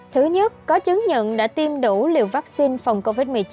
thứ nhất có chứng nhận đã tiêm đủ liều vaccine phòng covid một mươi chín